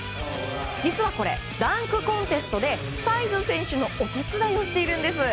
実はこれ、ダンクコンテストでサイズ選手のお手伝いをしているんです。